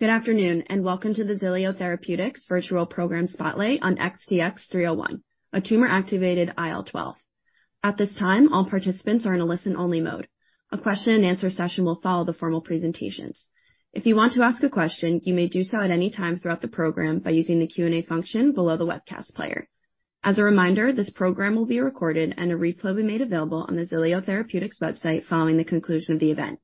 Good afternoon, and welcome to the Xilio Therapeutics Virtual Program Spotlight on XTX301, a tumor-activated IL-12. At this time, all participants are in a listen-only mode. A question-and-answer session will follow the formal presentations. If you want to ask a question, you may do so at any time throughout the program by using the Q&A function below the webcast player. As a reminder, this program will be recorded and a replay will be made available on the Xilio Therapeutics website following the conclusion of the event.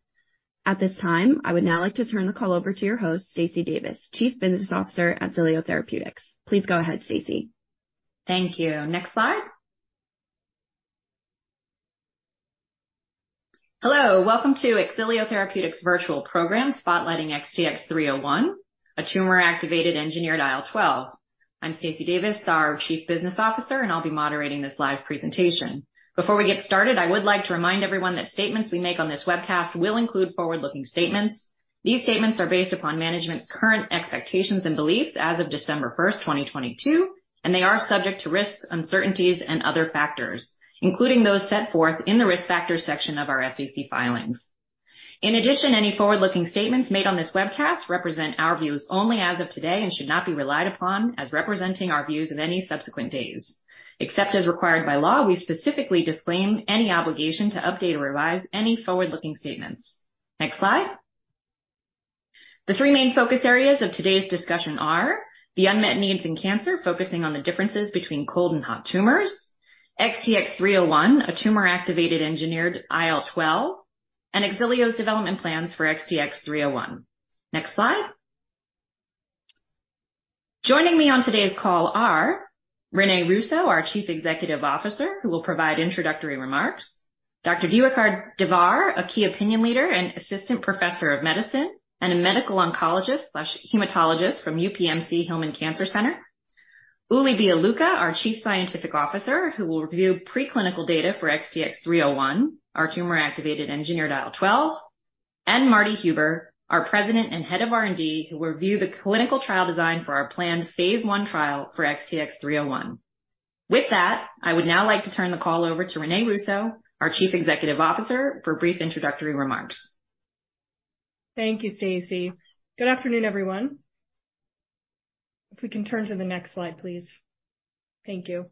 At this time, I would now like to turn the call over to your host, Stacey Davis, Chief Business Officer at Xilio Therapeutics. Please go ahead, Stacey. Thank you. Next slide. Hello, welcome to Xilio Therapeutics virtual program spotlighting XTX301, a tumor-activated engineered IL-12. I'm Stacey Davis, our Chief Business Officer, and I'll be moderating this live presentation. Before we get started, I would like to remind everyone that statements we make on this webcast will include forward-looking statements. These statements are based upon management's current expectations and beliefs as of December 1st, 2022, and they are subject to risks, uncertainties and other factors, including those set forth in the Risk Factors section of our SEC filings. In addition, any forward-looking statements made on this webcast represent our views only as of today and should not be relied upon as representing our views of any subsequent days. Except as required by law, we specifically disclaim any obligation to update or revise any forward-looking statements. Next slide. The three main focus areas of today's discussion are the unmet needs in cancer, focusing on the differences between cold and hot tumors, XTX301, a tumor-activated engineered IL-12, and Xilio's development plans for XTX301. Next slide. Joining me on today's call are René Russo, our Chief Executive Officer, who will provide introductory remarks, Dr. Diwakar Davar, a key opinion leader and Assistant Professor of Medicine and a Medical Oncologist/Hematologist from UPMC Hillman Cancer Center, Uli Bialucha, our Chief Scientific Officer, who will review preclinical data for XTX301, our tumor-activated engineered IL-12, and Marty Huber, our President and Head of R&D, who will review the clinical trial design for our planned phase I trial for XTX301. I would now like to turn the call over to René Russo, our Chief Executive Officer, for brief introductory remarks. Thank you, Stacey. Good afternoon, everyone. If we can turn to the next slide, please. Thank you.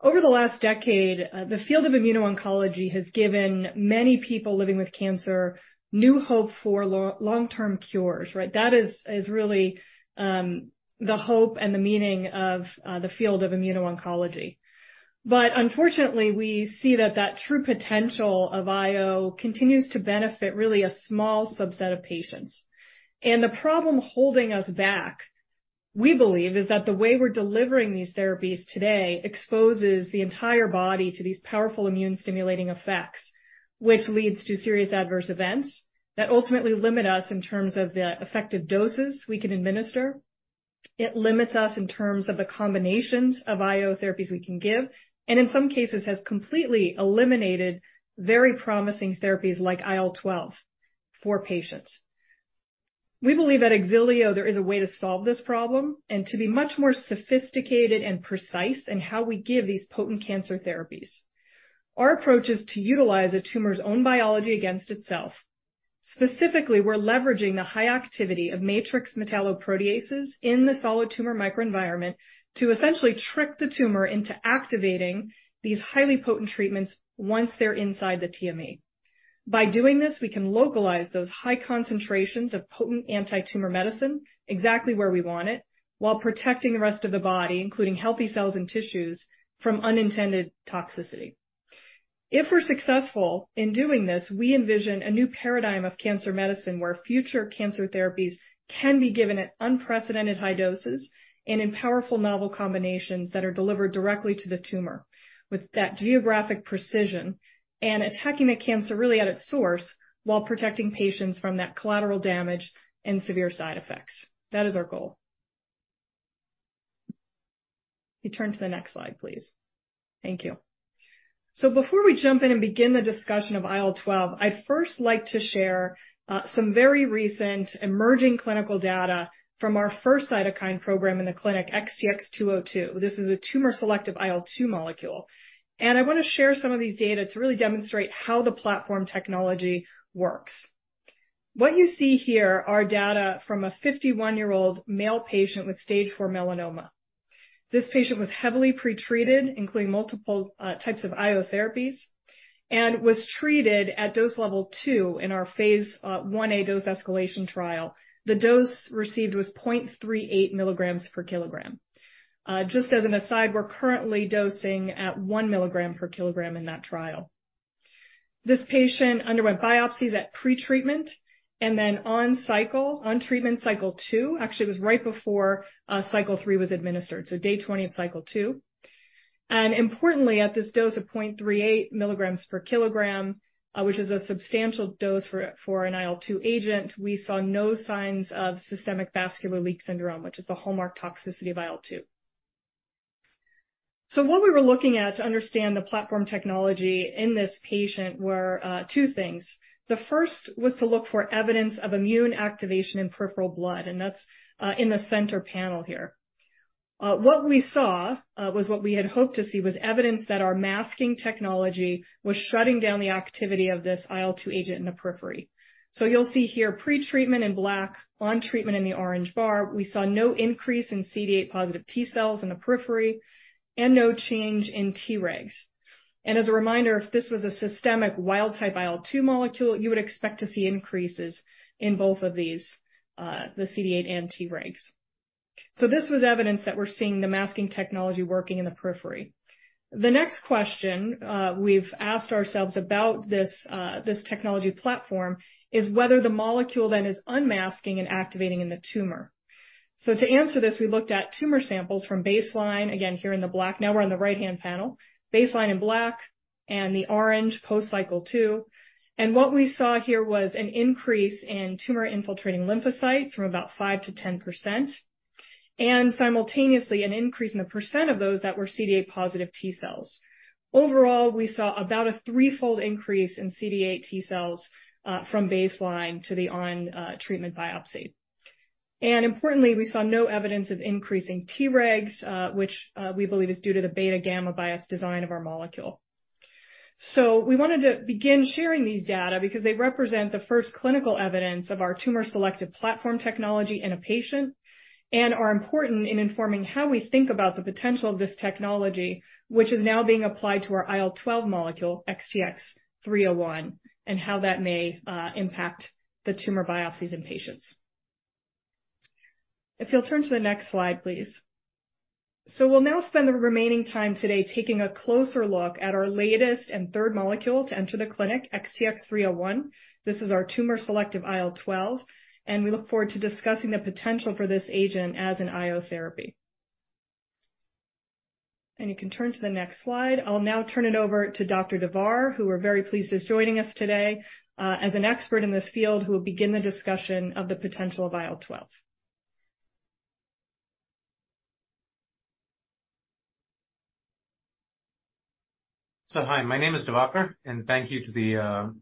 Over the last decade, the field of immuno-oncology has given many people living with cancer new hope for long-term cures, right? That is really the hope and the meaning of the field of immuno-oncology. Unfortunately, we see that true potential of IO continues to benefit really a small subset of patients. The problem holding us back, we believe, is that the way we're delivering these therapies today exposes the entire body to these powerful immune stimulating effects, which leads to serious adverse events that ultimately limit us in terms of the effective doses we can administer. It limits us in terms of the combinations of IO therapies we can give, and in some cases has completely eliminated very promising therapies like IL-12 for patients. We believe at Xilio there is a way to solve this problem and to be much more sophisticated and precise in how we give these potent cancer therapies. Our approach is to utilize a tumor's own biology against itself. Specifically, we're leveraging the high activity of matrix metalloproteases in the solid tumor microenvironment to essentially trick the tumor into activating these highly potent treatments once they're inside the TME. By doing this, we can localize those high concentrations of potent antitumor medicine exactly where we want it, while protecting the rest of the body, including healthy cells and tissues, from unintended toxicity. If we're successful in doing this, we envision a new paradigm of cancer medicine, where future cancer therapies can be given at unprecedented high doses and in powerful novel combinations that are delivered directly to the tumor with that geographic precision and attacking the cancer really at its source, while protecting patients from that collateral damage and severe side effects. That is our goal. Can you turn to the next slide, please? Thank you. Before we jump in and begin the discussion of IL-12, I'd first like to share some very recent emerging clinical data from our first cytokine program in the clinic, XTX202. This is a tumor-selective IL-2 molecule, and I want to share some of these data to really demonstrate how the platform technology works. What you see here are data from a 51-year-old male patient with stage four melanoma. This patient was heavily pretreated, including multiple types of IO therapies, and was treated at dose level two in our phase I-A dose escalation trial. The dose received was 0.38 milligrams per kilogram. Just as an aside, we're currently dosing at one milligram per kilogram in that trial. This patient underwent biopsies at pretreatment and then on treatment cycle two. Actually, it was right before cycle three was administered, so day 20 of cycle two. Importantly, at this dose of 0.38 milligrams per kilogram, which is a substantial dose for an IL-2 agent, we saw no signs of systemic vascular leak syndrome, which is the hallmark toxicity of IL-2. What we were looking at to understand the platform technology in this patient were two things. The first was to look for evidence of immune activation in peripheral blood, and that's in the center panel here. What we saw was what we had hoped to see, was evidence that our masking technology was shutting down the activity of this IL-2 agent in the periphery. You'll see here pre-treatment in black, on treatment in the orange bar, we saw no increase in CD8 positive T-cells in the periphery and no change in Tregs. As a reminder, if this was a systemic wild type IL-2 molecule, you would expect to see increases in both of these, the CD8 and Tregs. This was evidence that we're seeing the masking technology working in the periphery. The next question we've asked ourselves about this technology platform is whether the molecule then is unmasking and activating in the tumor. To answer this, we looked at tumor samples from baseline, again, here in the black. Now we're on the right-hand panel, baseline in black and the orange post cycle two. What we saw here was an increase in tumor-infiltrating lymphocytes from about 5%-10%, and simultaneously an increase in the percent of those that were CD8+ T-cells. Overall, we saw about a threefold increase in CD8 T-cells from baseline to the on treatment biopsy. Importantly, we saw no evidence of increasing Tregs, which we believe is due to the beta-gamma common chain design of our molecule. We wanted to begin sharing these data because they represent the first clinical evidence of our tumor-selective platform technology in a patient, and are important in informing how we think about the potential of this technology, which is now being applied to our IL-12 molecule, XTX301, and how that may impact the tumor biopsies in patients. If you'll turn to the next slide, please. We'll now spend the remaining time today taking a closer look at our latest and third molecule to enter the clinic, XTX301. This is our tumor-selective IL-12, and we look forward to discussing the potential for this agent as an IO therapy. You can turn to the next slide. I'll now turn it over to Dr. Davar, who we're very pleased is joining us today as an expert in this field who will begin the discussion of the potential of IL-12. Hi, my name is Diwakar and thank you to the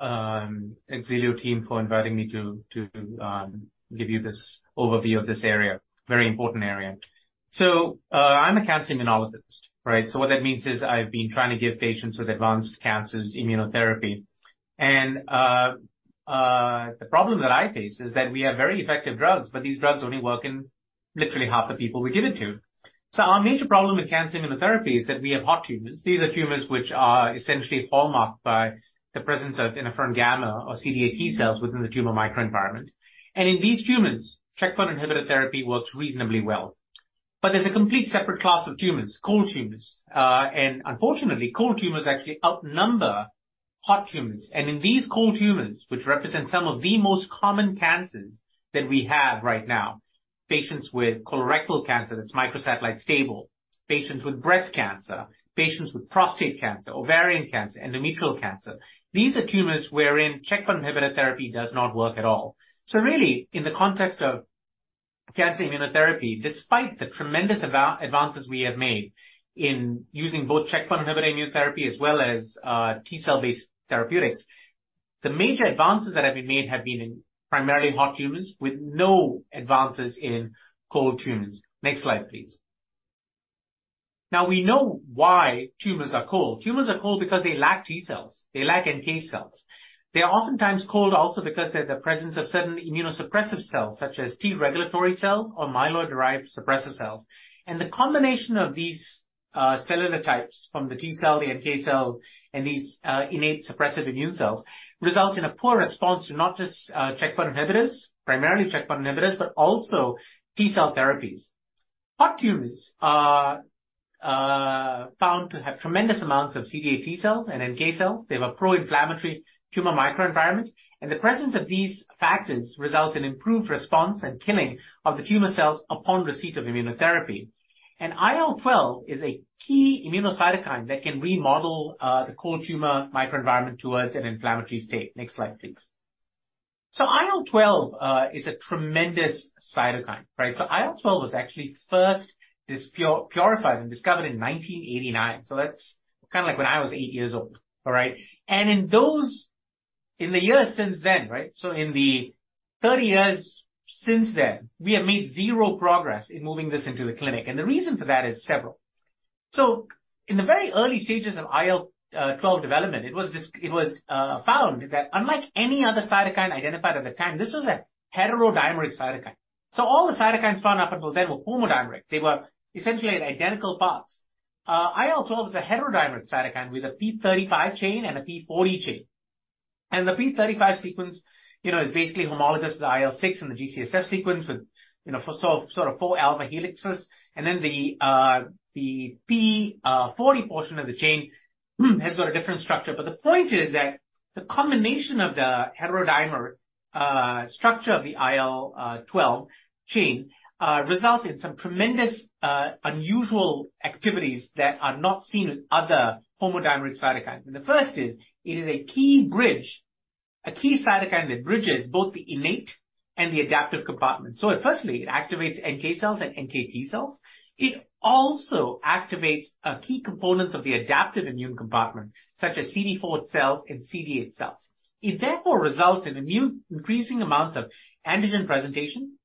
Xilio team for inviting me to give you this overview of this area, very important area. I'm a cancer immunologist, right? What that means is I've been trying to give patients with advanced cancers immunotherapy. The problem that I face is that we have very effective drugs, but these drugs only work in literally half the people we give it to. Our major problem with cancer immunotherapy is that we have hot tumors. These are tumors which are essentially hallmarked by the presence of interferon gamma or CD8 T-cells within the tumor microenvironment. In these tumors, checkpoint inhibitor therapy works reasonably well. There's a complete separate class of tumors, cold tumors. Unfortunately, cold tumors actually outnumber hot tumors. In these cold tumors, which represent some of the most common cancers that we have right now, patients with colorectal cancer that's microsatellite stable, patients with breast cancer, patients with prostate cancer, ovarian cancer, endometrial cancer. These are tumors wherein checkpoint inhibitor therapy does not work at all. Really, in the context of cancer immunotherapy, despite the tremendous advances we have made in using both checkpoint inhibitor immunotherapy as well as T-cell-based therapeutics, the major advances that have been made have been in primarily hot tumors with no advances in cold tumors. Next slide, please. Now we know why tumors are cold. Tumors are cold because they lack T-cells. They lack NK cells. They are oftentimes cold also because they're the presence of certain immunosuppressive cells such as T regulatory cells or myeloid-derived suppressor cells. The combination of these cellular types from the T-cell, the NK cell, and these innate suppressive immune cells result in a poor response to not just checkpoint inhibitors, primarily checkpoint inhibitors, but also T-cell therapies. Hot tumors are found to have tremendous amounts of CD8 T-cells and NK cells. They have a pro-inflammatory tumor microenvironment, and the presence of these factors results in improved response and killing of the tumor cells upon receipt of immunotherapy. An IL-12 is a key immunocytokine that can remodel the cold tumor microenvironment towards an inflammatory state. Next slide, please. IL-12 is a tremendous cytokine. Right? IL-12 was actually first purified and discovered in 1989. That's kind of like when I was eight years old. All right? In the years since then, right? In the 30 years since then, we have made zero progress in moving this into the clinic, and the reason for that is several. In the very early stages of IL-12 development, it was found that unlike any other cytokine identified at the time, this was a heterodimeric cytokine. All the cytokines found up until then were homodimeric. They were essentially identical parts. IL-12 is a heterodimeric cytokine with a p35 chain and a p40 chain. The p35 sequence, you know, is basically homologous to the IL-6 and the GCSF sequence with, you know, so sort of four alpha helixes. Then the p40 portion of the chain has got a different structure. The point is that the combination of the heterodimeric structure of the IL-12 chain results in some tremendous unusual activities that are not seen with other homodimeric cytokines. The first is, it is a key bridge, a key cytokine that bridges both the innate and the adaptive compartment. Firstly, it activates NK cells and NKT cells. It also activates key components of the adaptive immune compartment, such as CD4 cells and CD8 cells. It therefore results in immune increasing amounts of antigen presentation,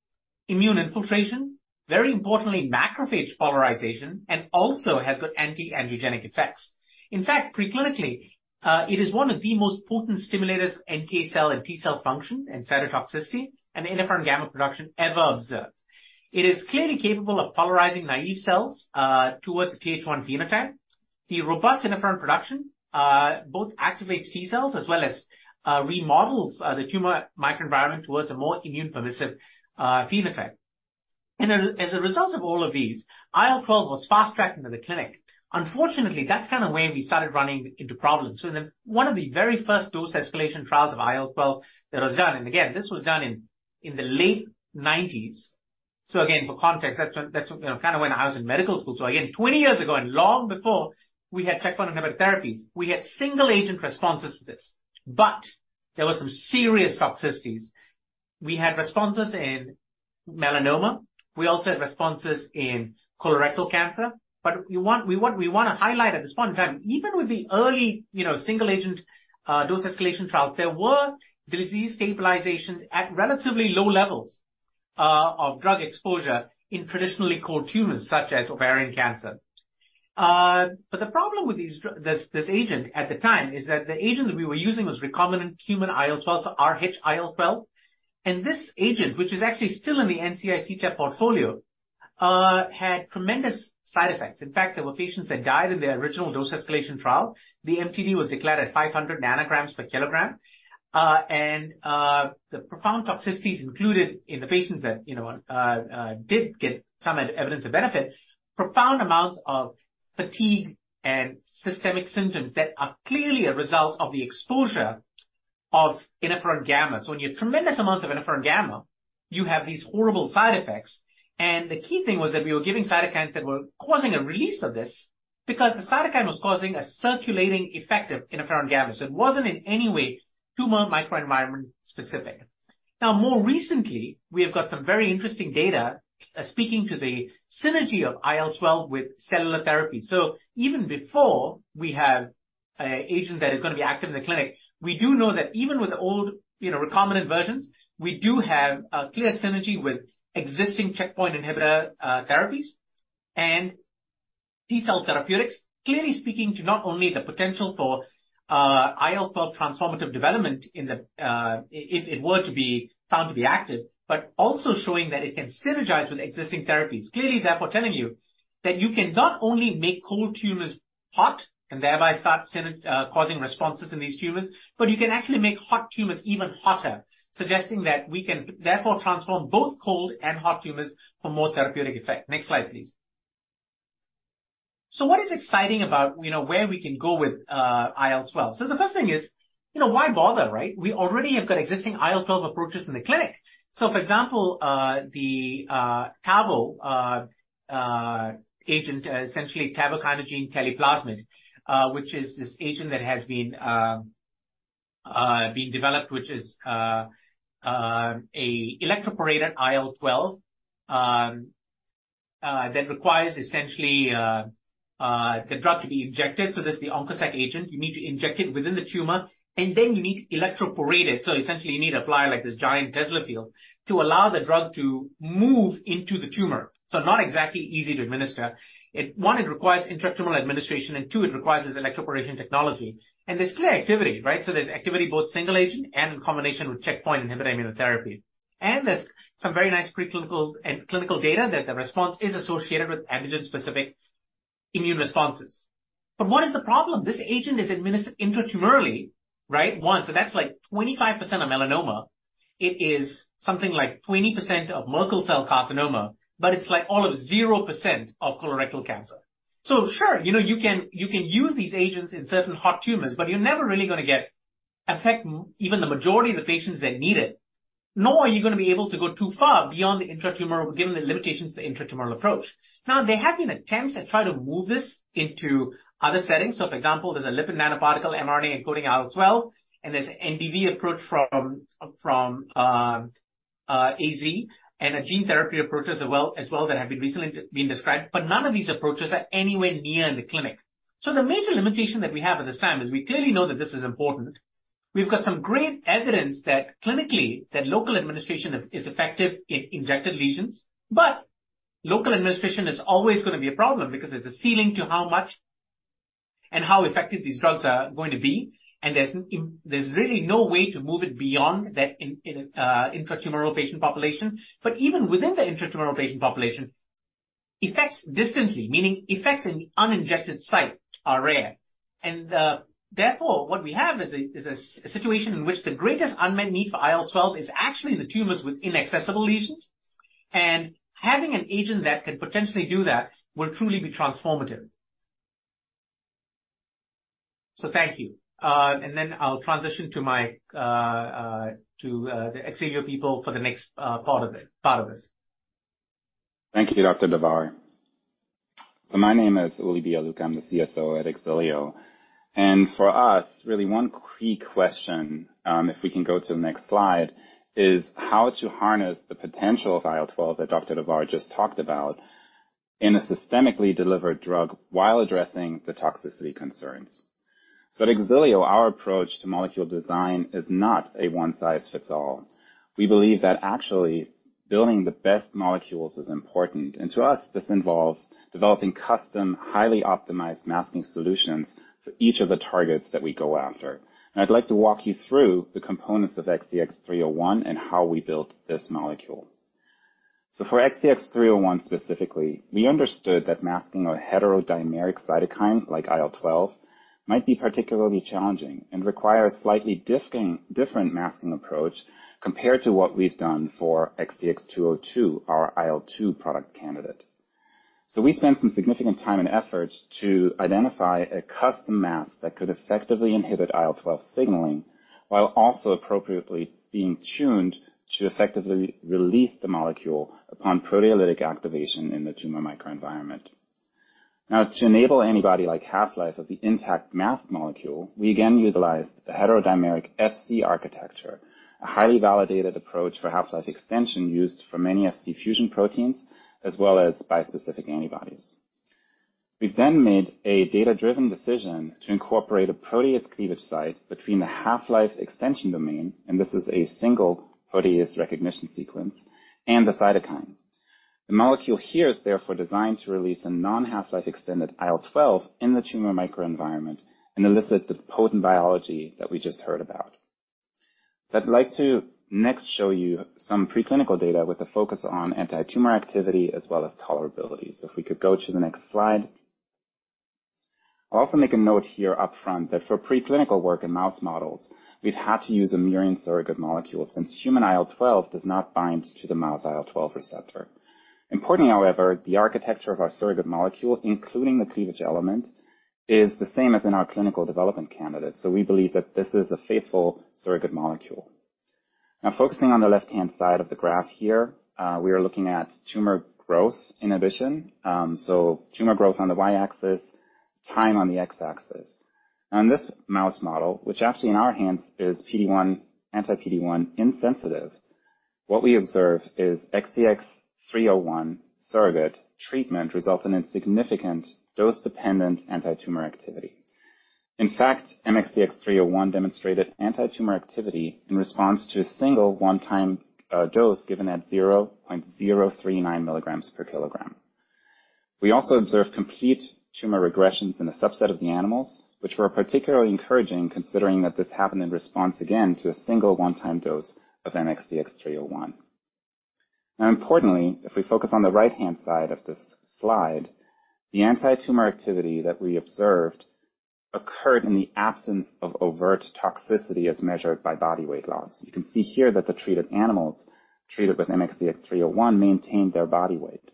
immune infiltration, very importantly, macrophage polarization, and also has got anti-angiogenic effects. In fact, pre-clinically, it is one of the most potent stimulators NK cell and T-cell function and cytotoxicity and interferon gamma production ever observed. It is clearly capable of polarizing naive cells towards the Th1 phenotype. The robust interferon production, both activates T cells as well as remodels the tumor microenvironment towards a more immune permissive phenotype. As a result of all of these, IL-12 was fast-tracked into the clinic. Unfortunately, that's kind of where we started running into problems. One of the very first dose escalation trials of IL-12 that was done, and again, this was done in the late 1990s. Again, for context, that's when, you know, kind of when I was in medical school. Again, 20 years ago and long before we had checkpoint inhibitor therapies, we had single agent responses to this, but there were some serious toxicities. We had responses in melanoma. We also had responses in colorectal cancer. We wanna highlight at this point in time, even with the early, you know, single agent dose escalation trials, there were disease stabilizations at relatively low levels of drug exposure in traditionally cold tumors such as ovarian cancer. The problem with this agent at the time is that the agent that we were using was recombinant human IL-12, so rhIL-12. This agent, which is actually still in the NCI portfolio, had tremendous side effects. In fact, there were patients that died in the original dose escalation trial. The MTD was declared at 500 nanograms per kilogram. The profound toxicities included in the patients that, you know, did get some evidence of benefit, profound amounts of fatigue and systemic symptoms that are clearly a result of the exposure of interferon gamma. When you have tremendous amounts of interferon gamma, you have these horrible side effects. The key thing was that we were giving cytokines that were causing a release of this because the cytokine was causing a circulating effective interferon gamma. It wasn't in any way tumor microenvironment specific. More recently, we have got some very interesting data speaking to the synergy of IL-12 with cellular therapy. Even before we have a agent that is gonna be active in the clinic, we do know that even with the old, you know, recombinant versions, we do have a clear synergy with existing checkpoint inhibitor therapies and T-cell therapeutics. Clearly speaking to not only the potential for IL-12 transformative development in the if it were to be found to be active, but also showing that it can synergize with existing therapies, clearly therefore telling you that you can not only make cold tumors hot and thereby start causing responses in these tumors, but you can actually make hot tumors even hotter, suggesting that we can therefore transform both cold and hot tumors for more therapeutic effect. Next slide, please. What is exciting about, you know, where we can go with IL-12? The first thing is, you know, why bother, right? We already have got existing IL-12 approaches in the clinic. For example, the Tavo agent, essentially Tavokinogene telseplasmid, which is this agent that has been developed, which is a electroporated IL-12, that requires essentially the drug to be injected. This is the OncoSec agent. You need to inject it within the tumor, and then you need to electroporate it. Essentially you need to apply like this giant Tesla field to allow the drug to move into the tumor. Not exactly easy to administer. One, it requires intratumoral administration, and two, it requires this electroporation technology. There's clear activity, right? There's activity, both single agent and in combination with checkpoint inhibitor immunotherapy. There's some very nice pre-clinical and clinical data that the response is associated with antigen-specific immune responses. What is the problem? This agent is administered intratumorally, right? One, so that's like 25% of melanoma. It is something like 20% of Merkel cell carcinoma, but it's like all of 0% of colorectal cancer. Sure, you know, you can, you can use these agents in certain hot tumors, but you're never really gonna affect even the majority of the patients that need it, nor are you gonna be able to go too far beyond the intratumoral, given the limitations of the intratumoral approach. There have been attempts to try to move this into other settings. For example, there's a lipid nanoparticle mRNA encoding IL-12, and there's an MDV approach from AZ and a gene therapy approaches as well that have been recently been described, but none of these approaches are anywhere near the clinic. The major limitation that we have at this time is we clearly know that this is important. We've got some great evidence that clinically that local administration is effective in injected lesions, but local administration is always gonna be a problem because there's a ceiling to how much and how effective these drugs are going to be. There's really no way to move it beyond that in an intratumoral patient population. Even within the intratumoral patient population, effects distantly, meaning effects in uninjected site are rare. Therefore, what we have is a, is a situation in which the greatest unmet need for IL-12 is actually the tumors with inaccessible lesions. Having an agent that can potentially do that will truly be transformative. Thank you. Then I'll transition to the Xilio people for the next part of this. Thank you, Dr. Davar. My name is Uli Bialucha. I'm the CSO at Xilio. For us, really one key question, if we can go to the next slide, is how to harness the potential of IL-12 that Diwakar Davar just talked about in a systemically delivered drug while addressing the toxicity concerns. At Xilio, our approach to molecule design is not a one-size-fits-all. We believe that actually building the best molecules is important, and to us, this involves developing custom, highly optimized masking solutions for each of the targets that we go after. I'd like to walk you through the components of XTX301 and how we built this molecule. For XTX301 specifically, we understood that masking a heterodimeric cytokine like IL-12 might be particularly challenging and require a slightly different masking approach compared to what we've done for XTX202, our IL-2 product candidate. We spent some significant time and effort to identify a custom mask that could effectively inhibit IL-12 signaling while also appropriately being tuned to effectively release the molecule upon proteolytic activation in the tumor microenvironment. Now, to enable anybody like half-life of the intact masked molecule, we again utilized the heterodimeric Fc architecture, a highly validated approach for half-life extension used for many Fc fusion proteins as well as bispecific antibodies. We then made a data-driven decision to incorporate a protease cleavage site between the half-life extension domain, and this is a single protease recognition sequence, and the cytokine. The molecule here is therefore designed to release a non-half-life extended IL-12 in the tumor microenvironment and elicit the potent biology that we just heard about. I'd like to next show you some preclinical data with a focus on antitumor activity as well as tolerability. If we could go to the next slide. I'll also make a note here up front that for preclinical work in mouse models, we've had to use a murine surrogate molecule since human IL-12 does not bind to the mouse IL-12 receptor. Importantly, however, the architecture of our surrogate molecule, including the cleavage element, is the same as in our clinical development candidate, so we believe that this is a faithful surrogate molecule. Focusing on the left-hand side of the graph here, we are looking at tumor growth inhibition, so tumor growth on the Y-axis, time on the X-axis. On this mouse model, which actually in our hands is anti-PD-1 insensitive, what we observe is XTX301 surrogate treatment resulting in significant dose-dependent antitumor activity. In fact, XTX301 demonstrated antitumor activity in response to a single one-time dose given at 0.039 milligrams per kilogram. We also observed complete tumor regressions in a subset of the animals, which were particularly encouraging considering that this happened in response again to a single one-time dose of XTX301. Importantly, if we focus on the right-hand side of this slide, the antitumor activity that we observed occurred in the absence of overt toxicity as measured by body weight loss. You can see here that the animals treated with XTX301 maintained their body weight.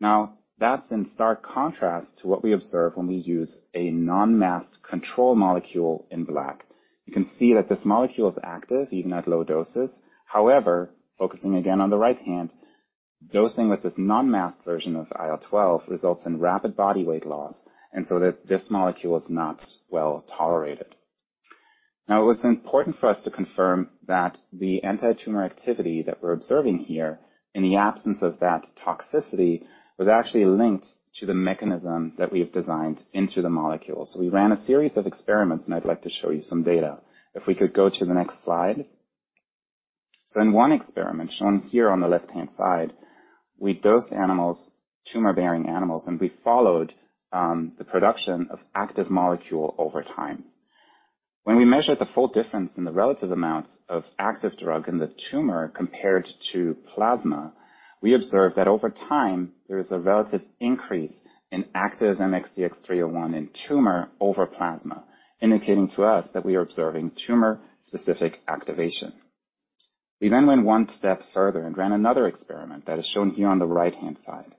That's in stark contrast to what we observe when we use a non-masked control molecule in black. You can see that this molecule is active even at low doses. However, focusing again on the right hand, dosing with this non-masked version of IL-12 results in rapid body weight loss, this molecule is not well-tolerated. It was important for us to confirm that the antitumor activity that we're observing here in the absence of that toxicity was actually linked to the mechanism that we have designed into the molecule. We ran a series of experiments, and I'd like to show you some data. If we could go to the next slide. In one experiment shown here on the left-hand side, we dosed animals, tumor-bearing animals, and we followed the production of active molecule over time. When we measured the full difference in the relative amounts of active drug in the tumor compared to plasma, we observed that over time, there is a relative increase in active XTX301 in tumor over plasma, indicating to us that we are observing tumor-specific activation. We went one step further and ran another experiment that is shown here on the right-hand side.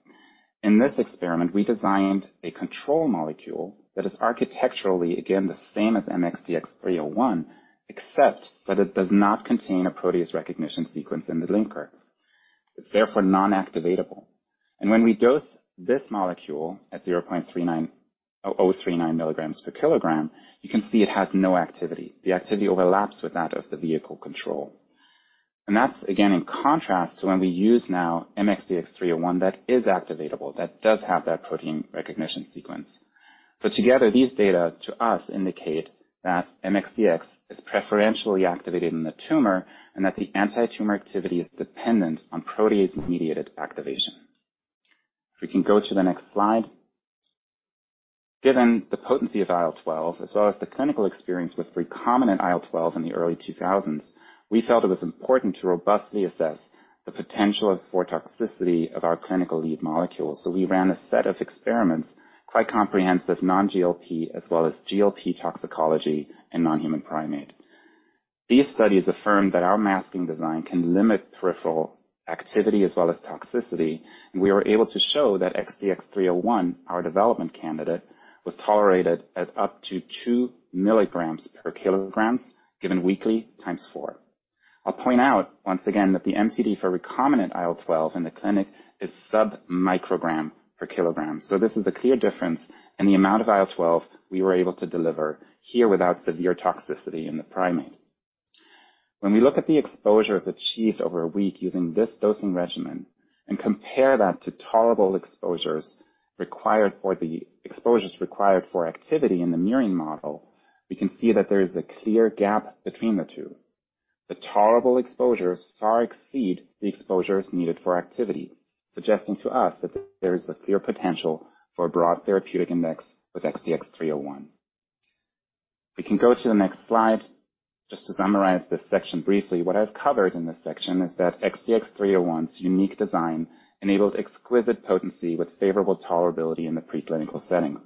In this experiment, we designed a control molecule that is architecturally again the same as XTX301, except that it does not contain a protease recognition sequence in the linker. It's therefore non-activatable. When we dose this molecule at 0.039 milligrams per kilogram, you can see it has no activity. The activity overlaps with that of the vehicle control. That's again in contrast to when we use now XTX301 that is activatable, that does have that protein recognition sequence. Together, these data to us indicate that XTX is preferentially activated in the tumor and that the antitumor activity is dependent on protease-mediated activation. If we can go to the next slide. Given the potency of IL-12 as well as the clinical experience with recombinant IL-12 in the early 2000s, we felt it was important to robustly assess the potential for toxicity of our clinical lead molecule. We ran a set of experiments, quite comprehensive non GLP as well as GLP toxicology in non-human primate. These studies affirmed that our masking design can limit peripheral activity as well as toxicity, and we were able to show that XTX301, our development candidate, was tolerated at up to two milligrams per kilogram given weekly four times. I'll point out once again that the MTD for recombinant IL-12 in the clinic is sub-microgram per kilogram. This is a clear difference in the amount of IL-12 we were able to deliver here without severe toxicity in the primate. When we look at the exposures achieved over a week using this dosing regimen and compare that to tolerable exposures required for activity in the mirroring model, we can see that there is a clear gap between the two. The tolerable exposures far exceed the exposures needed for activity, suggesting to us that there is a clear potential for a broad therapeutic index with XTX301. We can go to the next slide. Just to summarize this section briefly, what I've covered in this section is that XTX301's unique design enabled exquisite potency with favorable tolerability in the preclinical setting.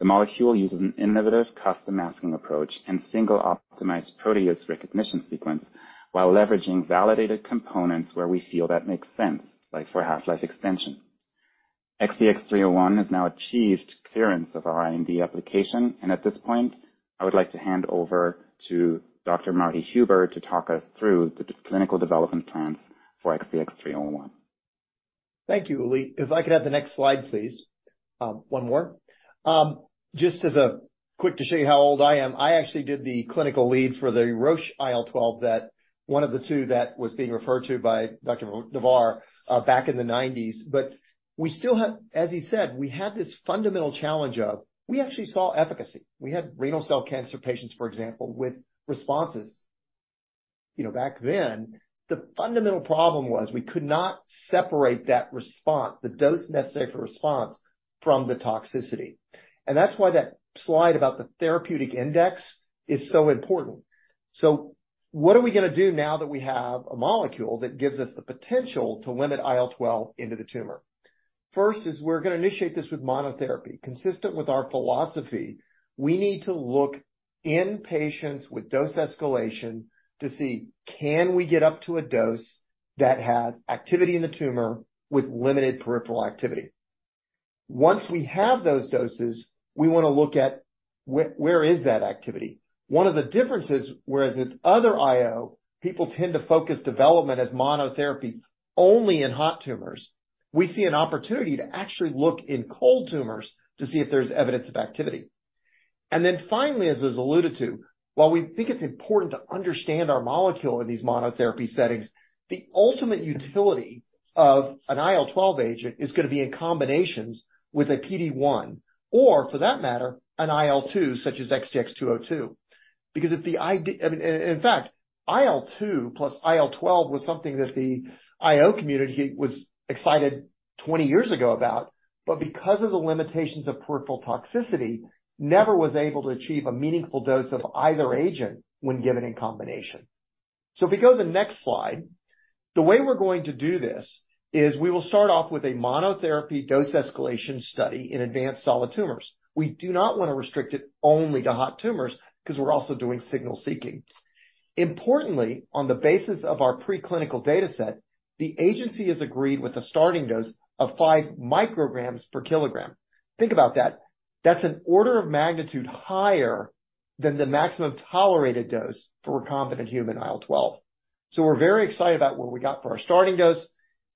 The molecule uses an innovative custom masking approach and single optimized protease recognition sequence while leveraging validated components where we feel that makes sense, like for half-life extension. XTX301 has now achieved clearance of our IND application. At this point, I would like to hand over to Dr. Marty Huber to talk us through the clinical development plans for XTX301. Thank you, Uli. If I could have the next slide, please. One more. Just as a quick to show you how old I am, I actually did the clinical lead for the Roche IL-12 that one of the two that was being referred to by Dr. Davar back in the 1990s. As he said, we have this fundamental challenge of we actually saw efficacy. We had renal cell cancer patients, for example, with responses. You know, back then, the fundamental problem was we could not separate that response, the dose necessary for response from the toxicity. That's why that slide about the therapeutic index is so important. What are we gonna do now that we have a molecule that gives us the potential to limit IL-12 into the tumor? First is we're gonna initiate this with monotherapy. Consistent with our philosophy, we need to look in patients with dose escalation to see can we get up to a dose that has activity in the tumor with limited peripheral activity. Once we have those doses, we wanna look at where is that activity. One of the differences, whereas with other IO, people tend to focus development as monotherapy only in hot tumors. We see an opportunity to actually look in cold tumors to see if there's evidence of activity. Finally, as was alluded to, while we think it's important to understand our molecule in these monotherapy settings, the ultimate utility of an IL-12 agent is gonna be in combinations with a PD-1, or for that matter, an IL-2, such as XTX202. Because I mean, in fact, IL-2 plus IL-12 was something that the IO community was excited 20 years ago about. Because of the limitations of peripheral toxicity, never was able to achieve a meaningful dose of either agent when given in combination. If we go to the next slide, the way we're going to do this is we will start off with a monotherapy dose escalation study in advanced solid tumors. We do not wanna restrict it only to hot tumors 'cause we're also doing signal seeking. Importantly, on the basis of our preclinical data set, the agency has agreed with a starting dose of five micrograms per kilogram. Think about that. That's an order of magnitude higher than the maximum tolerated dose for recombinant human IL-12. We're very excited about what we got for our starting dose,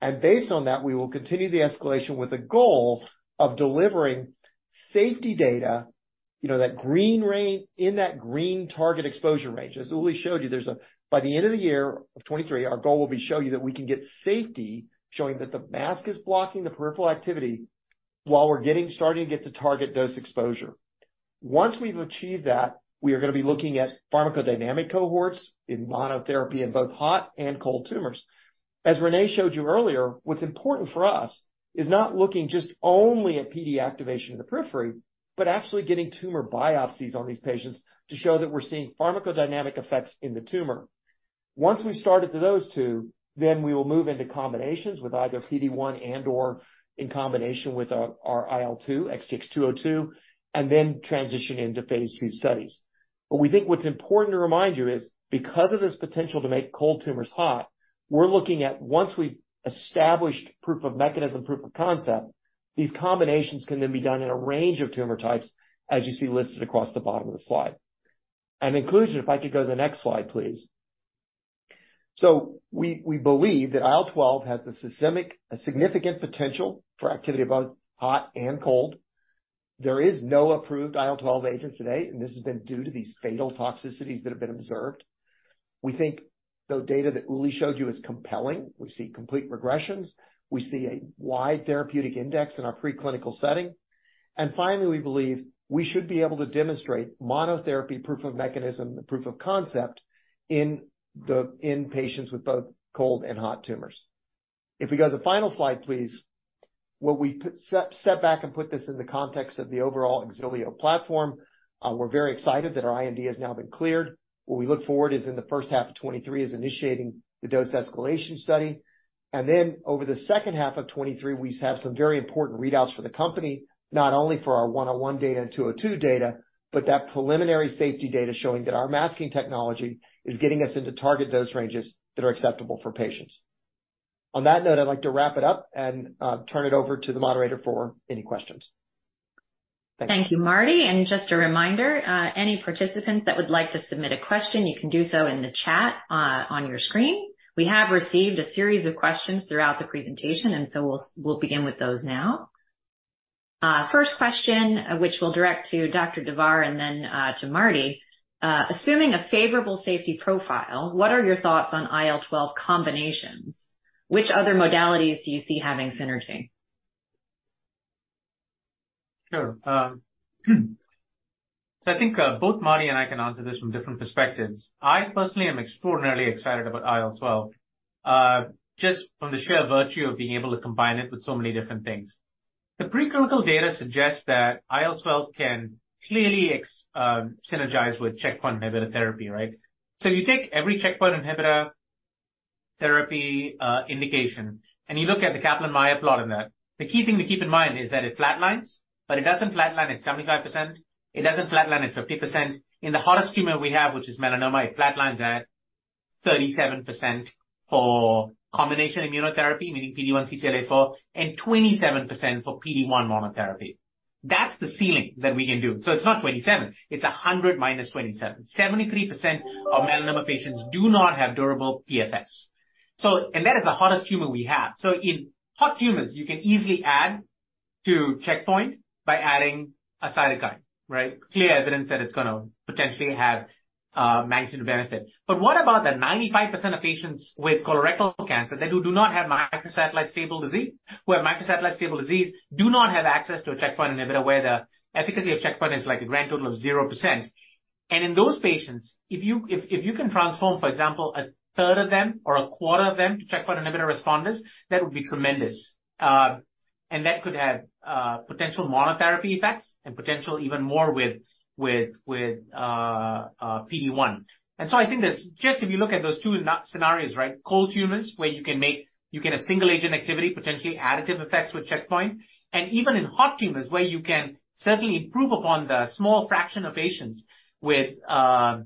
and based on that, we will continue the escalation with the goal of delivering safety data, you know, in that green target exposure range. As Uli showed you, by the end of the year of 23, our goal will be show you that we can get safety, showing that the mask is blocking the peripheral activity while starting to get to target dose exposure. Once we've achieved that, we are gonna be looking at pharmacodynamic cohorts in monotherapy in both hot and cold tumors. As René showed you earlier, what's important for us is not looking just only at PD activation in the periphery, but actually getting tumor biopsies on these patients to show that we're seeing pharmacodynamic effects in the tumor. Once we've started to those two, we will move into combinations with either PD-1 and/or in combination with our IL-2, XTX202, transition into phase II studies. We think what's important to remind you is, because of this potential to make cold tumors hot, we're looking at once we've established proof of mechanism, proof of concept, these combinations can then be done in a range of tumor types as you see listed across the bottom of the slide. In conclusion, if I could go to the next slide, please. We believe that IL-12 has a significant potential for activity of both hot and cold. There is no approved IL-12 agent today, this has been due to these fatal toxicities that have been observed. We think the data that Uli showed you is compelling. We see complete regressions. We see a wide therapeutic index in our preclinical setting. Finally, we believe we should be able to demonstrate monotherapy proof of mechanism and proof of concept in patients with both cold and hot tumors. If we go to the final slide, please. We step back and put this in the context of the overall Xilio platform, we're very excited that our IND has now been cleared. What we look forward is in the first half of 2023 is initiating the dose escalation study. Over the second half of 2023, we have some very important readouts for the company, not only for our 101 data and 202 data, but that preliminary safety data showing that our masking technology is getting us into target dose ranges that are acceptable for patients. On that note, I'd like to wrap it up and turn it over to the moderator for any questions. Thank you, Marty. Just a reminder, any participants that would like to submit a question, you can do so in the chat on your screen. We have received a series of questions throughout the presentation, we'll begin with those now. First question, which we'll direct to Dr. Davar and then to Marty. Assuming a favorable safety profile, what are your thoughts on IL-12 combinations? Which other modalities do you see having synergy? Sure. I think both Marty and I can answer this from different perspectives. I personally am extraordinarily excited about IL-12, just from the sheer virtue of being able to combine it with so many different things. The preclinical data suggests that IL-12 can clearly synergize with checkpoint inhibitor therapy, right? You take every checkpoint inhibitor therapy indication, and you look at the Kaplan-Meier plot in that. The key thing to keep in mind is that it flatlines, but it doesn't flatline at 75%, it doesn't flatline at 50%. In the hottest tumor we have, which is melanoma, it flatlines at 37% for combination immunotherapy, meaning PD-1/CTLA-4, and 27% for PD-1 monotherapy. That's the ceiling that we can do. It's not 27, it's 100 minus 27. 73% of melanoma patients do not have durable PFS. That is the hottest tumor we have. In hot tumors, you can easily add to checkpoint by adding a cytokine, right? Clear evidence that it's gonna potentially have magnitude benefit. What about the 95% of patients with colorectal cancer that do not have microsatellite stable disease, who have microsatellite stable disease, do not have access to a checkpoint inhibitor where the efficacy of checkpoint is like a grand total of 0%. In those patients, if you can transform, for example, a third of them or a quarter of them to checkpoint inhibitor responders, that would be tremendous. And that could have potential monotherapy effects and potential even more with PD-1. I think that's just if you look at those two scenarios, right? Cold tumors where you can have single agent activity, potentially additive effects with checkpoint. Even in hot tumors where you can certainly improve upon the small fraction of patients with who have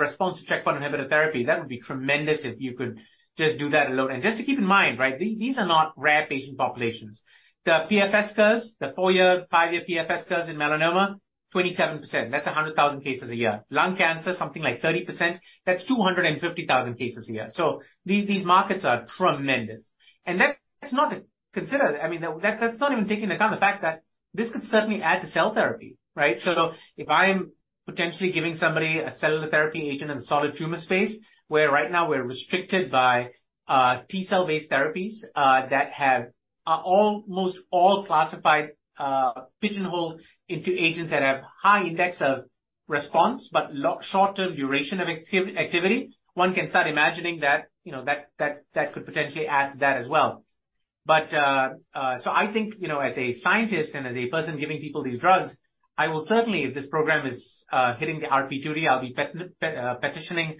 response to checkpoint inhibitor therapy, that would be tremendous if you could just do that alone. Just to keep in mind, right, these are not rare patient populations. The PFS curves, the four-year, five-year PFS curves in melanoma, 27%. That's 100,000 cases a year. Lung cancer, something like 30%. That's 250,000 cases a year. These, these markets are tremendous. That's, that's not considered, I mean, that's not even taking into account the fact that this could certainly add to cell therapy, right? If I'm potentially giving somebody a cellular therapy agent in the solid tumor space, where right now we're restricted by T-cell based therapies that have, are almost all classified, pigeonholed into agents that have high index of response but short-term duration of activity, one can start imagining that, you know, that could potentially add to that as well. I think, you know, as a scientist and as a person giving people these drugs, I will certainly, if this program is hitting the RP2D, I'll be petitioning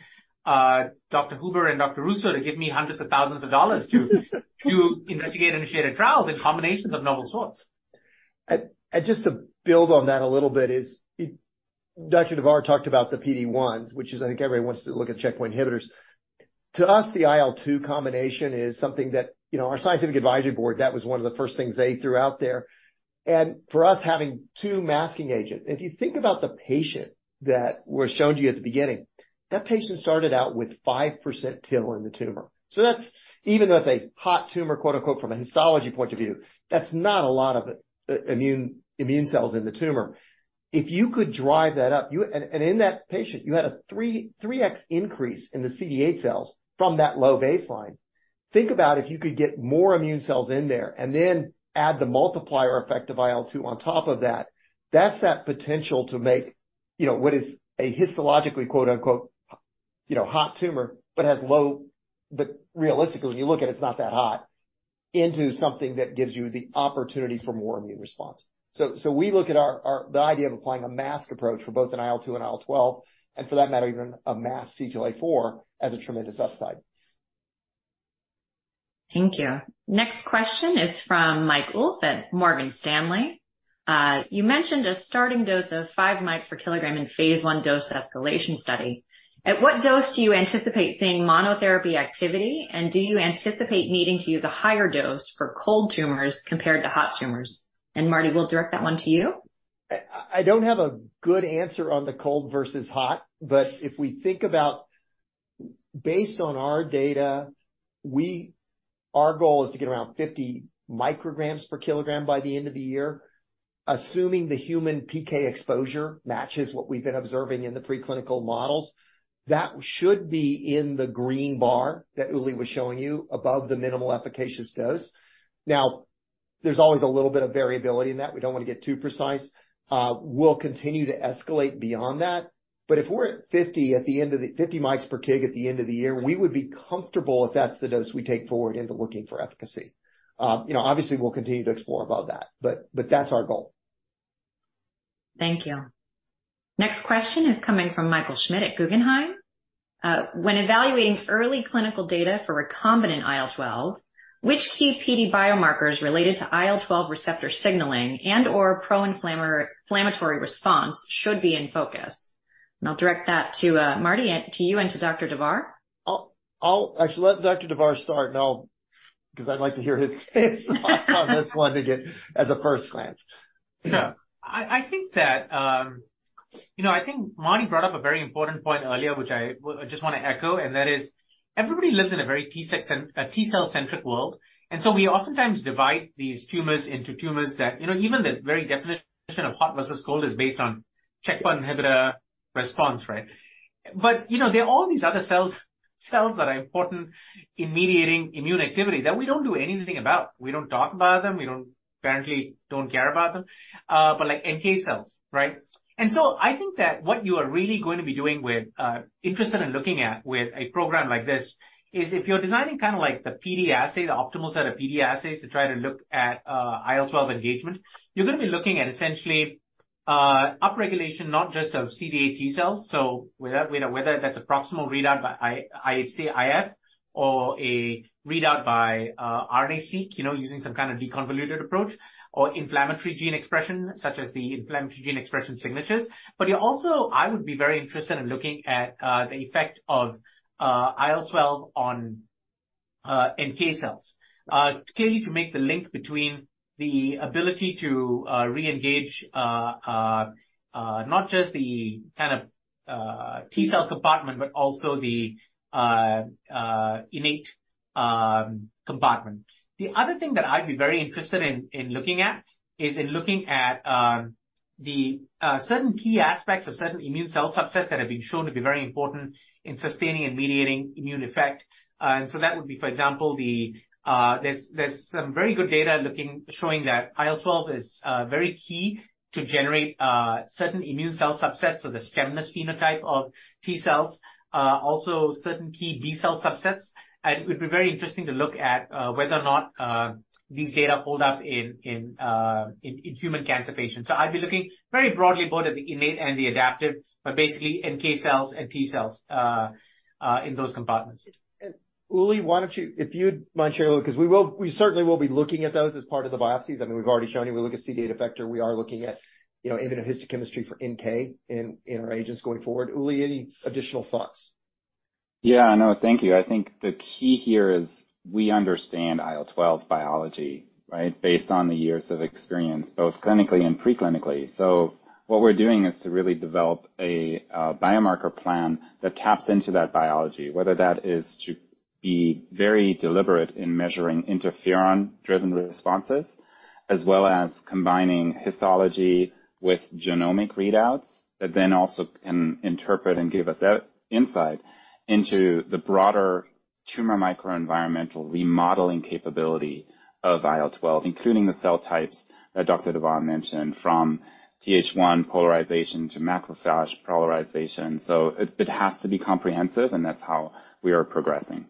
Dr. Huber and Dr. Russo to give me hundreds of thousands of dollars to investigate initiated trials in combinations of novel sorts. Just to build on that a little bit is, Dr. Davar talked about the PD-1s, which is I think everybody wants to look at checkpoint inhibitors. To us, the IL-2 combination is something that, you know, our scientific advisory board, that was one of the first things they threw out there. For us, having two masking agent, and if you think about the patient that were shown to you at the beginning, that patient started out with 5% TIL in the tumor. That's, even though it's a hot tumor, quote-unquote, from a histology point of view, that's not a lot of immune cells in the tumor. If you could drive that up, you. In that patient, you had a three times increase in the CD8 cells from that low baseline. Think about if you could get more immune cells in there and then add the multiplier effect of IL-2 on top of that. That's that potential to make, you know, what is a histologically, quote-unquote, you know, hot tumor, but has low. Realistically, when you look at it's not that hot, into something that gives you the opportunity for more immune response. We look at our, the idea of applying a mask approach for both an IL-2 and IL-12, and for that matter, even a mass CTLA-4 as a tremendous upside. Thank you. Next question is from Michael Oliphant at Morgan Stanley. You mentioned a starting dose of five mics per kilogram in phase I dose escalation study. At what dose do you anticipate seeing monotherapy activity, and do you anticipate needing to use a higher dose for cold tumors compared to hot tumors? Marty, we'll direct that one to you. I don't have a good answer on the cold versus hot, but if we think about based on our data, our goal is to get around 50 micrograms per kilogram by the end of the year, assuming the human PK exposure matches what we've been observing in the preclinical models. That should be in the green bar that Uli was showing you above the minimal efficacious dose. There's always a little bit of variability in that. We don't wanna get too precise. We'll continue to escalate beyond that. If we're at 50 mics per kg at the end of the year, we would be comfortable if that's the dose we take forward into looking for efficacy. You know, obviously we'll continue to explore above that, but that's our goal. Thank you. Next question is coming from Michael Schmidt at Guggenheim. When evaluating early clinical data for recombinant IL-12, which key PD biomarkers related to IL-12 receptor signaling and/or pro-inflammatory response should be in focus? I'll direct that to Marty, to you and to Dr. Davar. I'll actually let Dr. Davar start, because I'd like to hear his thoughts on this one again as a first glance. Sure. I think that, you know, I think Marty brought up a very important point earlier, which I just wanna echo, and that is everybody lives in a very T-cell-centric world. We oftentimes divide these tumors into tumors that, you know, even the very definition of hot versus cold is based on checkpoint inhibitor response, right? You know, there are all these other cells that are important in mediating immune activity that we don't do anything about. We don't talk about them. We don't, apparently don't care about them, but like NK cells, right? I think that what you are really going to be doing with, interested in looking at with a program like this is if you're designing kinda like the PD assay, the optimal set of PD assays to try to look at IL-12 engagement, you're gonna be looking at essentially upregulation, not just of CD8 T cells. Whether, you know, whether that's a proximal readout by IHC-IF or a readout by RNA-Seq, you know, using some kind of deconvoluted approach or inflammatory gene expression, such as the inflammatory gene expression signatures. You also... I would be very interested in looking at the effect of IL-12 on NK cells, clearly to make the link between the ability to re-engage not just the kind of T cell compartment but also the innate compartment. The other thing that I'd be very interested in looking at is the certain key aspects of certain immune cell subsets that have been shown to be very important in sustaining and mediating immune effect. That would be, for example, there's some very good data looking, showing that IL-12 is very key to generate certain immune cell subsets, so the stemness phenotype of T cells, also certain key B cell subsets. It would be very interesting to look at whether or not these data hold up in human cancer patients. I'd be looking very broadly both at the innate and the adaptive, but basically NK cells and T cells in those compartments. Uli, why don't you... If you'd mind sharing, because we will, we certainly will be looking at those as part of the biopsies. I mean, we've already shown you, we look at CD8 effector. We are looking at, you know, immunohistochemistry for NK in our agents going forward. Uli, any additional thoughts? Yeah. No. Thank you. I think the key here is we understand IL-12 biology, right, based on the years of experience, both clinically and pre-clinically. What we're doing is to really develop a biomarker plan that taps into that biology, whether that is to be very deliberate in measuring interferon-driven responses, as well as combining histology with genomic readouts that then also can interpret and give us insight into the broader tumor microenvironmental remodeling capability of IL-12, including the cell types that Dr. Davar mentioned, from Th1 polarization to macrophage polarization. It, it has to be comprehensive, and that's how we are progressing.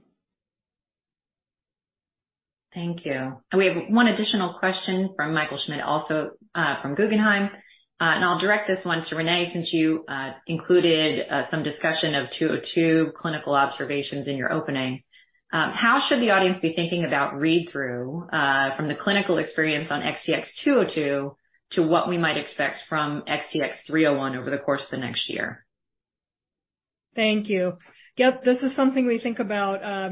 Thank you. We have one additional question from Michael Schmidt, also from Guggenheim. I'll direct this one to René, since you included some discussion of two-oh-two clinical observations in your opening. How should the audience be thinking about read-through from the clinical experience on XTX202 to what we might expect from XTX301 over the course of the next year? Thank you. Yep, this is something we think about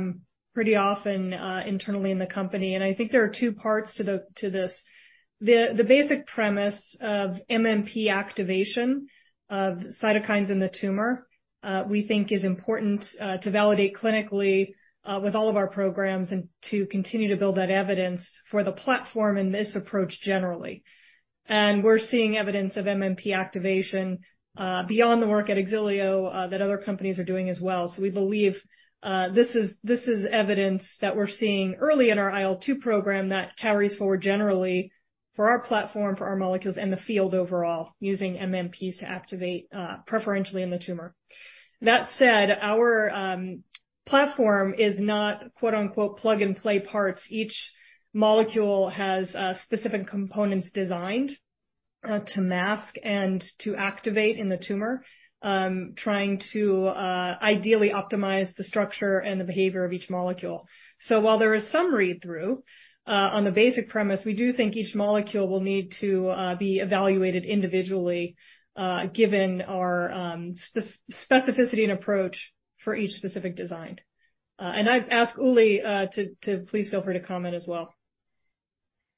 pretty often internally in the company, I think there are two parts to this. The basic premise of MMP activation of cytokines in the tumor, we think is important to validate clinically with all of our programs and to continue to build that evidence for the platform and this approach generally. We're seeing evidence of MMP activation beyond the work at Xilio that other companies are doing as well. We believe this is evidence that we're seeing early in our IL-2 program that carries forward generally for our platform, for our molecules and the field overall, using MMPs to activate preferentially in the tumor. That said, our platform is not, quote-unquote, "plug-and-play parts." Each molecule has specific components designed to mask and to activate in the tumor, trying to ideally optimize the structure and the behavior of each molecule. While there is some read-through on the basic premise, we do think each molecule will need to be evaluated individually, given our spec-specificity and approach for each specific design. I'd ask Uli to please feel free to comment as well.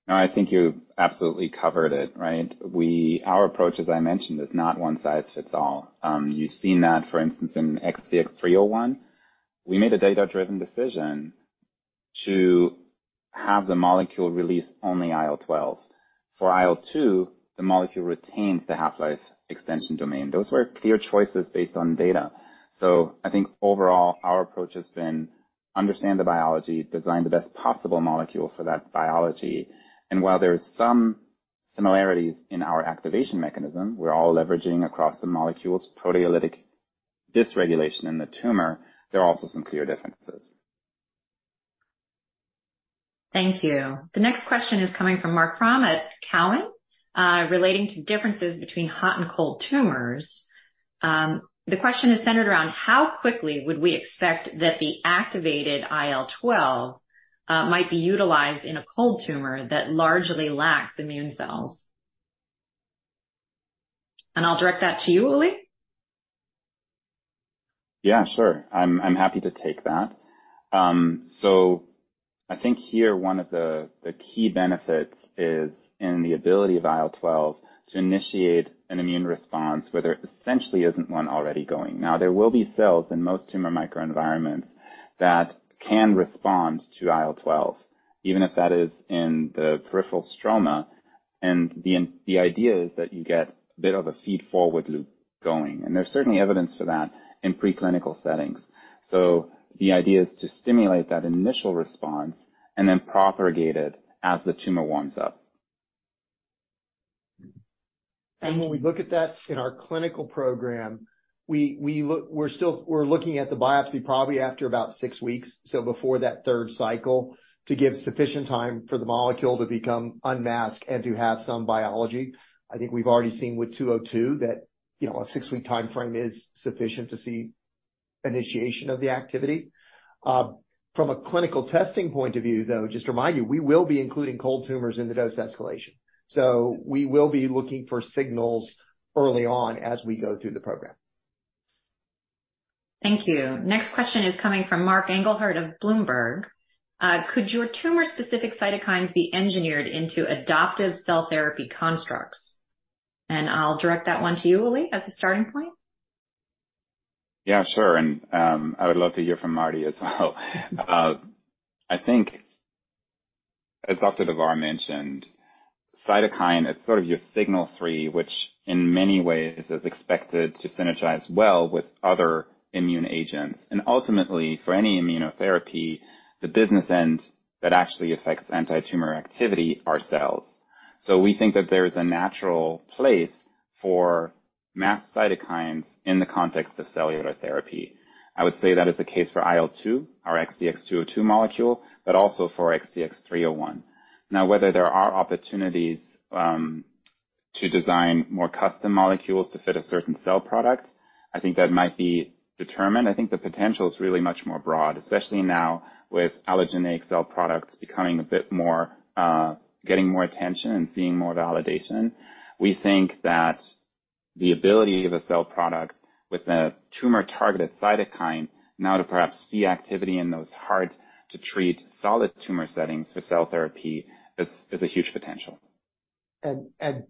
No, I think you've absolutely covered it, right? Our approach, as I mentioned, is not one size fits all. You've seen that, for instance, in XTX301. We made a data-driven decision to have the molecule release only IL-12. For IL-2, the molecule retains the half-life extension domain. Those were clear choices based on data. I think overall, our approach has been understand the biology, design the best possible molecule for that biology. While there are some similarities in our activation mechanism, we're all leveraging across the molecules proteolytic dysregulation in the tumor, there are also some clear differences. Thank you. The next question is coming from Marc Frahm at Cowen, relating to differences between hot and cold tumors. The question is centered around how quickly would we expect that the activated IL-12 might be utilized in a cold tumor that largely lacks immune cells? I'll direct that to you, Uli. Yeah, sure. I'm happy to take that. I think here one of the key benefits is in the ability of IL-12 to initiate an immune response where there essentially isn't one already going. Now, there will be cells in most tumor microenvironments that can respond to IL-12, even if that is in the peripheral stroma, and the idea is that you get a bit of a feed-forward loop going, and there's certainly evidence for that in preclinical settings. The idea is to stimulate that initial response and then propagate it as the tumor warms up. When we look at that in our clinical program, we're still looking at the biopsy probably after about six weeks, so before that third cycle, to give sufficient time for the molecule to become unmasked and to have some biology. I think we've already seen with XTX202 that, you know, a six-week timeframe is sufficient to see initiation of the activity. From a clinical testing point of view, though, just to remind you, we will be including cold tumors in the dose escalation. We will be looking for signals early on as we go through the program. Thank you. Next question is coming from Mark Engelhart of Bloomberg. Could your tumor-specific cytokines be engineered into adoptive cell therapy constructs? I'll direct that one to you, Uli, as a starting point. Yeah, sure. I would love to hear from Marty as well. I think as Dr. Davar mentioned, cytokine, it's sort of your signal three, which in many ways is expected to synergize well with other immune agents. Ultimately, for any immunotherapy, the business end that actually affects antitumor activity are cells. We think that there's a natural place for masked cytokines in the context of cellular therapy. I would say that is the case for IL-2, our XTX202 molecule, but also for XTX301. Whether there are opportunities to design more custom molecules to fit a certain cell product, I think that might be determined. I think the potential is really much more broad, especially now with allogeneic cell products becoming a bit more, getting more attention and seeing more validation. We think that the ability of a cell product with a tumor-targeted cytokine now to perhaps see activity in those hard-to-treat solid tumor settings for cell therapy is a huge potential. The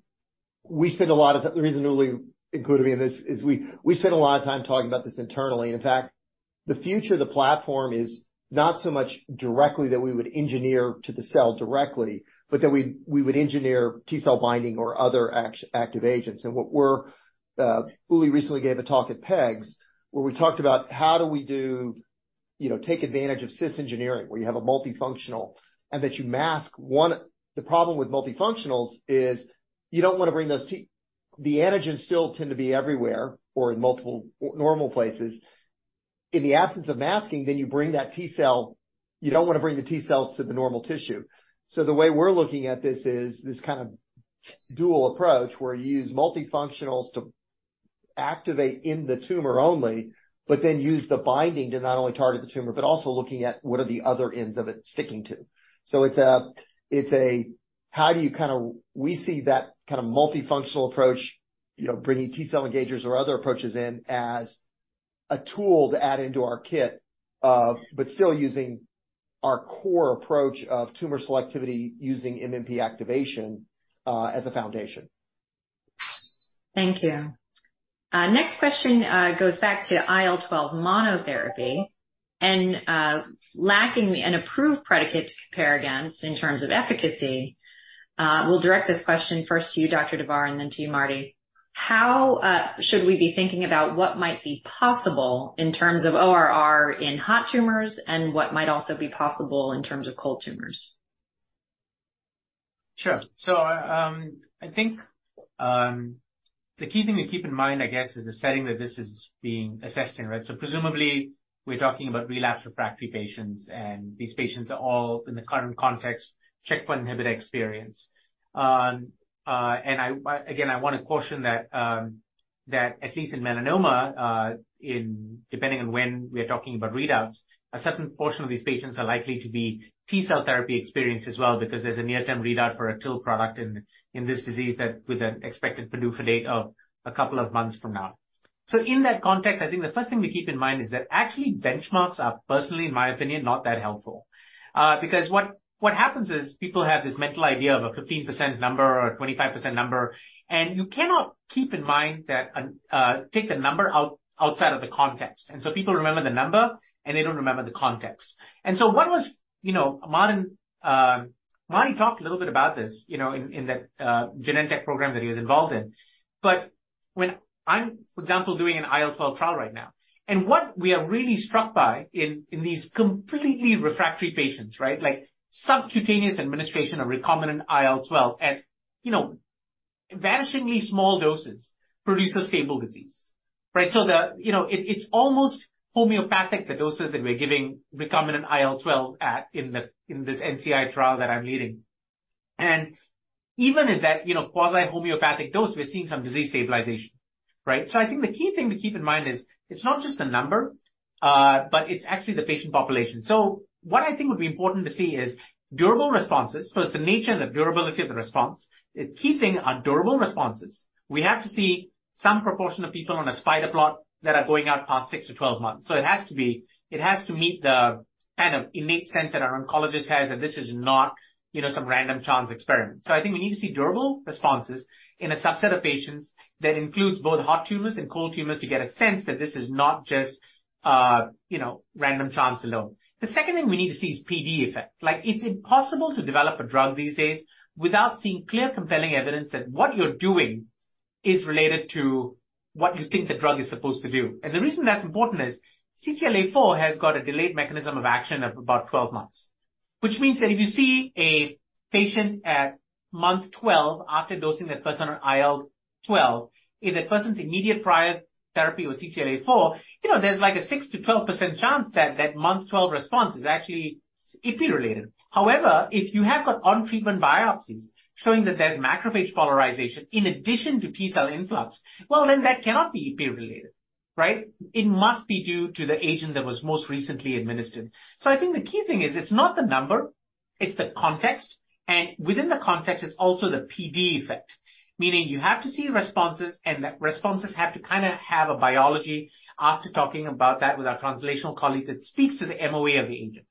reason Uli included me in this is we spend a lot of time talking about this internally. In fact, the future of the platform is not so much directly that we would engineer to the cell directly, but that we would engineer T-cell binding or other active agents. Uli recently gave a talk at PEGS where we talked about how do we do, you know, take advantage of cis engineering, where you have a multifunctional and that you mask one. The problem with multifunctionals is you don't wanna bring The antigens still tend to be everywhere or in multiple normal places. In the absence of masking, You don't wanna bring the T cells to the normal tissue. The way we're looking at this is this kind of dual approach where you use multifunctionals to activate in the tumor only, but then use the binding to not only target the tumor, but also looking at what are the other ends of it sticking to. It's a how do you kinda. We see that kind of multifunctional approach, you know, bringing T-cell engagers or other approaches in as a tool to add into our kit, but still using our core approach of tumor selectivity using MMP activation as a foundation. Thank you. Next question goes back to IL-12 monotherapy and lacking an approved predicate to compare against in terms of efficacy. We'll direct this question first to you, Dr. Davar, and then to you, Marty. How should we be thinking about what might be possible in terms of ORR in hot tumors and what might also be possible in terms of cold tumors? Sure. I think the key thing to keep in mind, I guess, is the setting that this is being assessed in, right? Presumably, we're talking about relapsed refractory patients, and these patients are all in the current context checkpoint inhibitor experience. Again, I wanna caution that at least in melanoma, in depending on when we are talking about readouts, a certain portion of these patients are likely to be T-cell therapy experienced as well because there's a near-term readout for a TIL product in this disease that with an expected PDUFA date of a couple of months from now. In that context, I think the first thing to keep in mind is that actually benchmarks are personally, in my opinion, not that helpful. Because what happens is people have this mental idea of a 15% number or a 25% number, and you cannot keep in mind that, take the number outside of the context. People remember the number, and they don't remember the context. One was, you know, Marty, Marty talked a little bit about this, you know, in that Genentech program that he was involved in. When I'm, for example, doing an IL-12 trial right now, and what we are really struck by in these completely refractory patients, right? Like subcutaneous administration of recombinant IL-12 at, you know, vanishingly small doses produces stable disease, right? You know, it's almost homeopathic, the doses that we're giving recombinant IL-12 at in this NCI trial that I'm leading. Even at that, you know, quasi-homeopathic dose, we're seeing some disease stabilization. Right. I think the key thing to keep in mind is it's not just the number, but it's actually the patient population. What I think would be important to see is durable responses. It's the nature and the durability of the response. The key thing are durable responses. We have to see some proportion of people on a spider plot that are going out past six to 12 months. It has to meet the kind of innate sense that our oncologist has that this is not, you know, some random chance experiment. I think we need to see durable responses in a subset of patients that includes both hot tumors and cold tumors, to get a sense that this is not just, you know, random chance alone. The second thing we need to see is PD effect. Like, it's impossible to develop a drug these days without seeing clear, compelling evidence that what you're doing is related to what you think the drug is supposed to do. The reason that's important is CTLA-4 has got a delayed mechanism of action of about 12 months. Which means that if you see a patient at month 12 after dosing that person on IL-12, if that person's immediate prior therapy was CTLA-4, you know, there's like a 6%-12% chance that that month-12 response is actually IP-related. However, if you have got on-treatment biopsies showing that there's macrophage polarization in addition to T-cell influx, well, then that cannot be IP-related, right? It must be due to the agent that was most recently administered. I think the key thing is it's not the number, it's the context, and within the context, it's also the PD effect. Meaning you have to see responses, and the responses have to kinda have a biology after talking about that with our translational colleagues, that speaks to the MOA of the agent.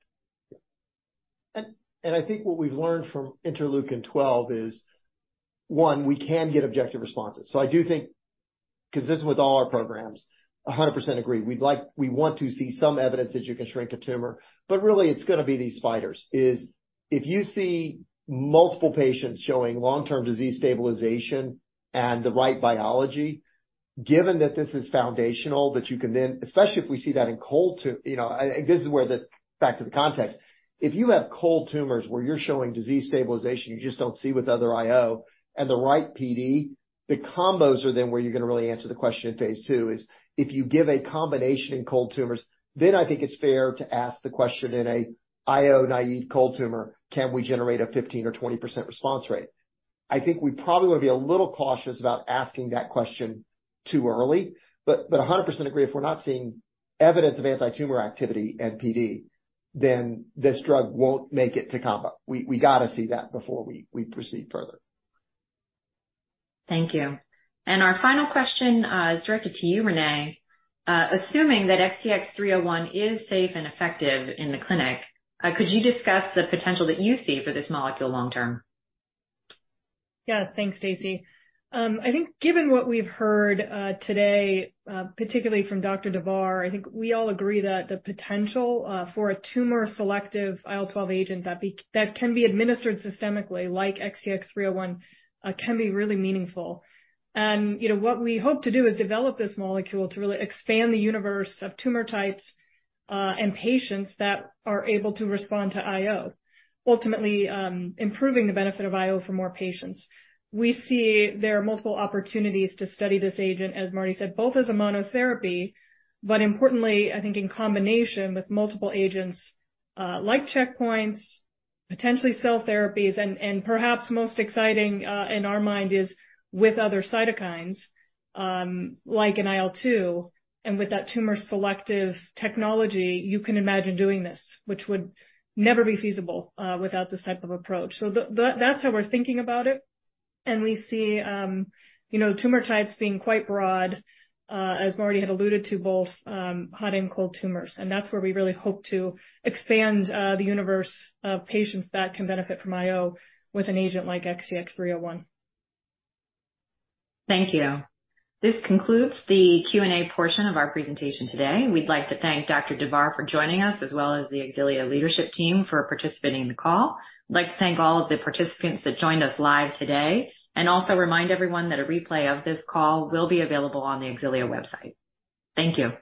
I think what we've learned from interleukin twelve is, one, we can get objective responses. I do think, 'cause this is with all our programs, 100% agree. We want to see some evidence that you can shrink a tumor. Really it's gonna be these spiders, is if you see multiple patients showing long-term disease stabilization and the right biology, given that this is foundational, that you can then... Especially if we see that in cold, you know, this is where back to the context. If you have cold tumors where you're showing disease stabilization you just don't see with other IO and the right PD, the combos are then where you're gonna really answer the question in phase II, is if you give a combination in cold tumors, then I think it's fair to ask the question in a IO-naive cold tumor, can we generate a 15% or 20% response rate? I think we probably wanna be a little cautious about asking that question too early, but a 100% agree, if we're not seeing evidence of anti-tumor activity and PD, then this drug won't make it to combo. We gotta see that before we proceed further. Thank you. Our final question, is directed to you, René. Assuming that XTX301 is safe and effective in the clinic, could you discuss the potential that you see for this molecule long term? Yeah. Thanks, Stacey. I think given what we've heard today, particularly from Dr. Davar, I think we all agree that the potential for a tumor-selective IL-12 agent that can be administered systemically like XTX301 can be really meaningful. You know, what we hope to do is develop this molecule to really expand the universe of tumor types and patients that are able to respond to IO, ultimately, improving the benefit of IO for more patients. We see there are multiple opportunities to study this agent, as Marty said, both as a monotherapy, but importantly, I think in combination with multiple agents, like checkpoints, potentially cell therapies, and perhaps most exciting in our mind, is with other cytokines, like an IL-2. With that tumor-selective technology, you can imagine doing this, which would never be feasible without this type of approach. That's how we're thinking about it, and we see, you know, tumor types being quite broad as Marty had alluded to, both, hot and cold tumors. That's where we really hope to expand the universe of patients that can benefit from IO with an agent like XTX301. Thank you. This concludes the Q&A portion of our presentation today. We'd like to thank Dr. Davar for joining us, as well as the Xilio leadership team for participating in the call. I'd like to thank all of the participants that joined us live today and also remind everyone that a replay of this call will be available on the Xilio website. Thank you.